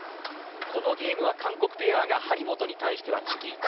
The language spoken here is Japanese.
このゲームは韓国ペアが張本に対してはチキータ。